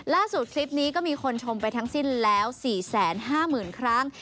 คลิปนี้ก็มีคนชมไปทั้งสิ้นแล้ว๔๕๐๐๐ครั้ง